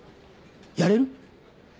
やれる？